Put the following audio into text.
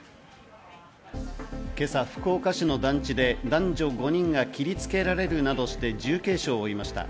今朝、福岡市の団地で男女５人が切りつけられるなどして重軽傷を負いました。